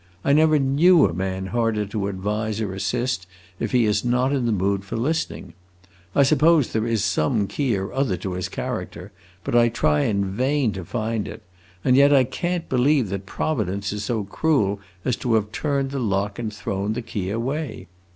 I never knew a man harder to advise or assist, if he is not in the mood for listening. I suppose there is some key or other to his character, but I try in vain to find it; and yet I can't believe that Providence is so cruel as to have turned the lock and thrown the key away.